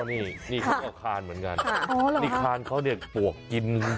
อ๋อนี่นี่เขาเอาคานเหมือนกันนี่คานเขาปวกกิน